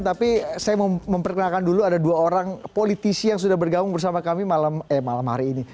tapi saya mau memperkenalkan dulu ada dua orang politisi yang sudah bergabung bersama kami malam hari ini